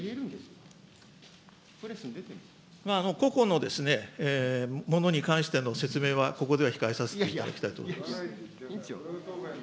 ここのものに関しての説明は、ここでは控えさせていただきたいと思います。